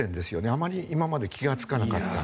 あまり今まで気がつかなかった。